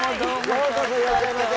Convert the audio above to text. ようこそいらっしゃいませ。